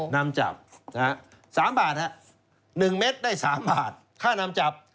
๓บาทครับ๑เม็ดได้๓บาทค่านำจับ